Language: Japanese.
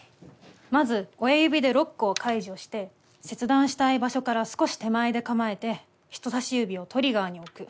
まず親指でロックを解除して切断したい場所から少し手前で構えて人さし指をトリガーに置く。